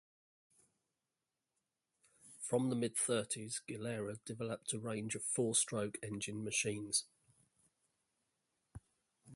From the mid-thirties, Gilera developed a range of four-stroke engine machines.